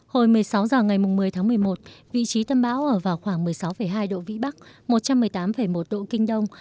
hồi một mươi sáu h ngày một mươi tháng một mươi một vị trí tâm bão ở vào khoảng một mươi sáu hai độ vĩ bắc một trăm một mươi tám một độ kinh đông